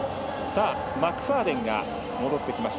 マクファーデンが戻ってきました。